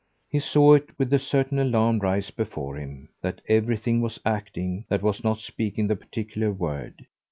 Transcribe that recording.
He saw it with a certain alarm rise before him that everything was acting that was not speaking the particular word.